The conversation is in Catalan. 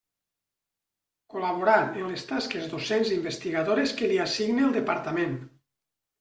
Col·laborar en les tasques docents i investigadores que li assigne el departament.